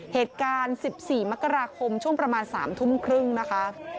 เหตุการณ์๑๔มกราคมช่วงประมาณ๐๓๓๐นนะคะ